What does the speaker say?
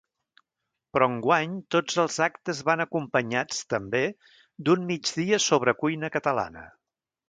Però enguany tots els actes van acompanyats, també, d’un migdia sobre cuina catalana.